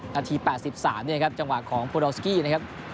นาที๘๓จังหวะของโพดอลสกี้นะครับ